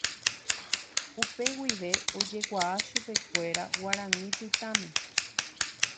upe guive ojekuaa chupekuéra Guarani Pytãme